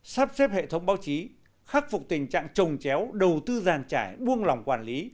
sắp xếp hệ thống báo chí khắc phục tình trạng trồng chéo đầu tư giàn trải buông lòng quản lý